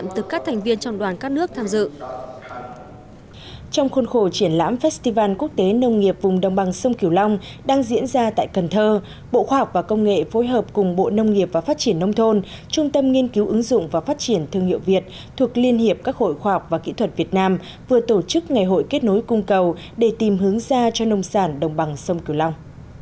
trong khuôn khổ triển lãm festival quốc tế nông nghiệp vùng đồng bằng sông kiều long đang diễn ra tại cần thơ bộ khoa học và công nghệ phối hợp cùng bộ nông nghiệp và phát triển nông thôn trung tâm nghiên cứu ứng dụng và phát triển thương hiệu việt thuộc liên hiệp các hội khoa học và kỹ thuật việt nam vừa tổ chức ngày hội kết nối cung cầu để tìm hướng ra cho nông sản đồng bằng sông kiều long